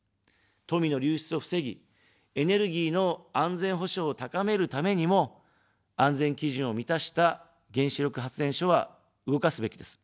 富の流出を防ぎ、エネルギーの安全保障を高めるためにも、安全基準を満たした原子力発電所は動かすべきです。